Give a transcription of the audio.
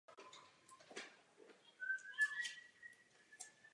Maják byl bílý s horní části červenou.